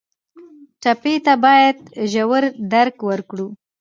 ټپي ته باید ژور درک ورکړو.